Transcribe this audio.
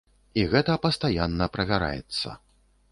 І гэта пастаянна правяраецца.